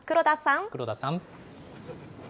黒田さん。